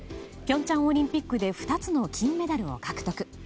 平昌オリンピックで２つの金メダルを獲得。